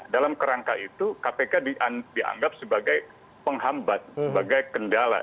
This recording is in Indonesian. dalam kerangka itu kpk dianggap sebagai penghambat sebagai kendala